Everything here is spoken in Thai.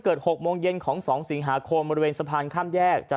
๖โมงเย็นของ๒สิงหาคมบริเวณสะพานข้ามแยกจะ